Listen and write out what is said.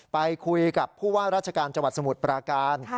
ไปคุยกับผู้ว่าราชการจังหวัดสมุทรปราการ